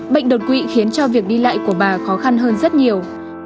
bệnh đột quỵ khiến cho việc đi lại của bà khó khăn hơn rất nhiều